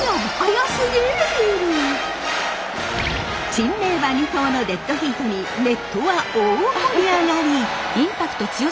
珍名馬２頭のデッドヒートにネットは大盛り上がり！